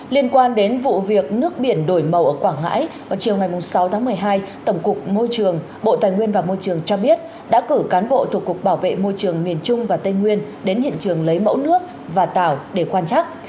liên quan đến vụ việc nước biển đổi màu ở quảng ngãi vào chiều ngày sáu tháng một mươi hai tổng cục môi trường bộ tài nguyên và môi trường cho biết đã cử cán bộ thuộc cục bảo vệ môi trường miền trung và tây nguyên đến hiện trường lấy mẫu nước và tảo để quan chắc